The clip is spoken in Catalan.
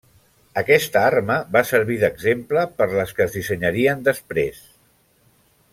Aquesta arma va servir d'exemple per les que es dissenyarien després.